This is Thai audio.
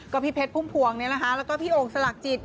ก็พิเภทภุ่มภวงนี่แหละก็พี่โอกรศลักทริจ